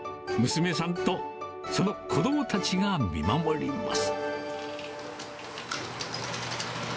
娘さんとその子どもたちが見守ります。